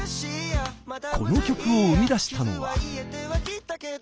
この曲を生み出したのは。